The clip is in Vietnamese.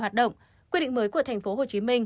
hoạt động quy định mới của tp hcm